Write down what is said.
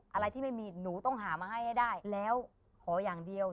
อะไรที่ไม่มีหนูต้องหามาให้ให้ได้แล้วขออย่างเดียว